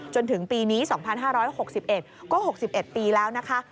จนถึงปีนี้๒๕๖๑ก็๖๑ปีแล้วนะคะ